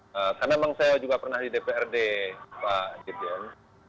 karena memang saya juga pernah di dprd pak jidyan